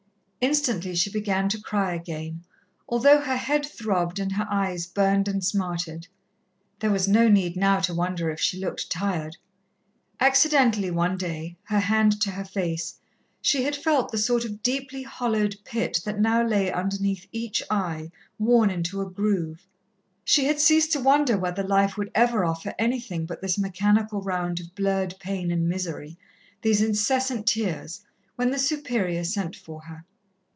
Instantly she began to cry again, although her head throbbed and her eyes burned and smarted. There was no need now to wonder if she looked tired. Accidentally one day, her hand to her face, she had felt the sort of deeply hollowed pit that now lay underneath each eye, worn into a groove. She had ceased to wonder whether life would ever offer anything but this mechanical round of blurred pain and misery, these incessant tears, when the Superior sent for her.